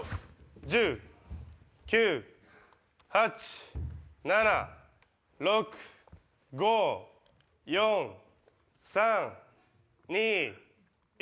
１０９８７６５４３２１。